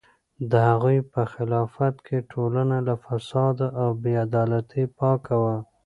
د هغوی په خلافت کې ټولنه له فساد او بې عدالتۍ پاکه وه.